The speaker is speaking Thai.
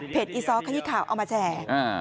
เพจอีซอสขายข่าวเอามาแชร์